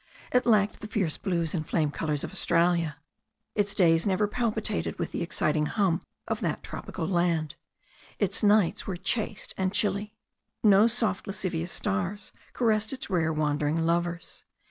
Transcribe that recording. It lacked the fierce blues and flame colours of Australia. Its days never palpitated with the exciting hum of that tropical land. Its nights were chaste and chilly. No "soft lascivious stars" caressed its rare wandering lovers.